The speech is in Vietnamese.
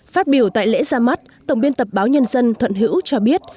phát biểu tại lễ ra mắt tổng biên tập báo nhân dân thuận hữu cho biết